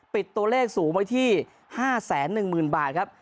ปิดตัวเลขสูงไว้ที่๕๑๐๐๐บาทครับ